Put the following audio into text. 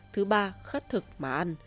thứ ba khất thực mà ăn